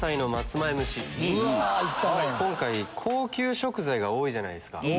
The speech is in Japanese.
今回高級食材が多いじゃないですか。